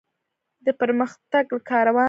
د پرمختګ کاروان.